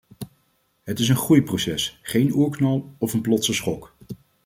Het is een groeiproces, geen oerknal of een plotse schok.